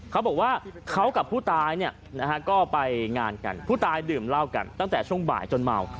เขาบอกว่าเขากับผู้ตายเนี่ยนะฮะก็ไปงานกันผู้ตายดื่มเหล้ากันตั้งแต่ช่วงบ่ายจนเมา